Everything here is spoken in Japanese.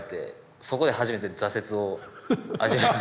そこで初めて挫折を味わいましたね。